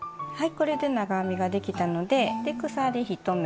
これで長編みができたので鎖１目。